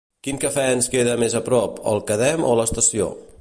Quin cafè ens queda més a prop, el Quedem o l'Estació?